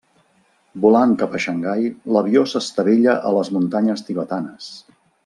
Volant cap a Xangai, l'avió s'estavella a les muntanyes tibetanes.